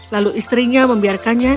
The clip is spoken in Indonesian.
lalu istrinya membiarkannya